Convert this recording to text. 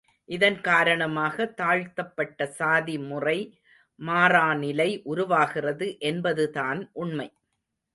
இதன் காரணமாக தாழ்த்தப்பட்ட சாதிமுறை மாறாநிலை உருவாகிறது என்பதுதான் உண்மை.